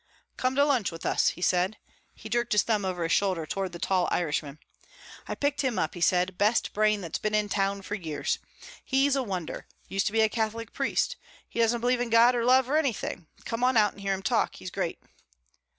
"Come to lunch with us," he said. He jerked his thumb over his shoulder toward the tall Irishman. "I picked him up," he said. "Best brain that's been in town for years. He's a wonder. Used to be a Catholic priest. He doesn't believe in God or love or anything. Come on out and hear him talk. He's great."